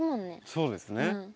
そうですね。